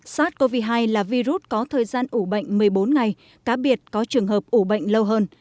sars cov hai là virus có thời gian ủ bệnh một mươi bốn ngày cá biệt có trường hợp ủ bệnh lâu hơn